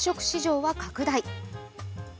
市場は拡大。